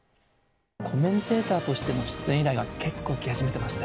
コメンテーターとしての出演依頼が結構来始めてまして。